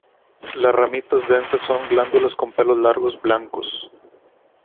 Las ramitas densas con glándulas con pelos largos, blancos.